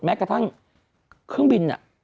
แม้กระทั่งเครื่องบิน